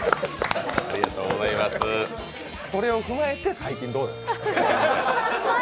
それを踏まえて最近どうですか？